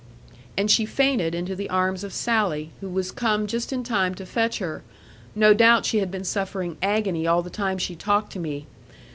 And she fainted into the arms of Sally, who was come just in time to fetch her: no doubt she had been suffering agony all the time she talked to me.